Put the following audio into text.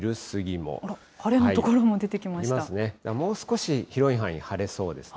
もう少し広い範囲、晴れそうです。